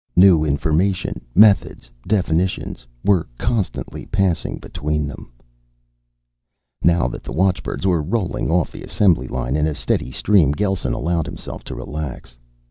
New information, methods, definitions were constantly passing between them. Now that the watchbirds were rolling off the assembly line in a steady stream, Gelsen allowed himself to relax.